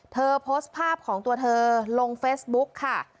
โพสต์ภาพของตัวเธอลงเฟซบุ๊กค่ะ